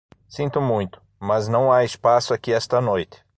Sinto muito, mas não há espaço aqui esta noite.